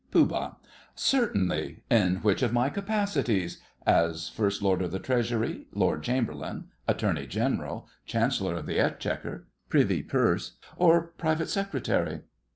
POOH. Certainly. In which of my capacities? As First Lord of the Treasury, Lord Chamberlain, Attorney General, Chancellor of the Exchequer, Privy Purse, or Private Secretary?